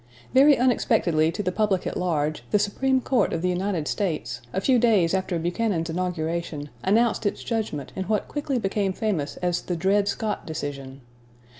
Very unexpectedly to the public at large, the Supreme Court of the United States, a few days after Buchanan's inauguration, announced its judgment in what quickly became famous as the Dred Scott decision.